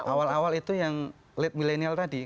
awal awal itu yang late milenial tadi